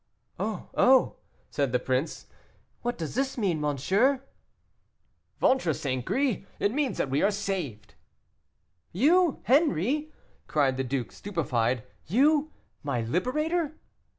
"Oh! oh!" said the prince, "what does this mean, monsieur?" "Ventre St. Gris! it means that we are saved." "You! Henri!" cried the duke, stupefied, "you! my liberator?"